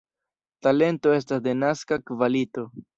Talento estas denaska kvalito.